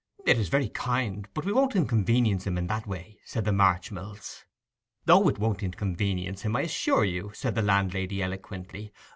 'It is very kind, but we won't inconvenience him in that way,' said the Marchmills. 'O, it won't inconvenience him, I assure you!' said the landlady eloquently.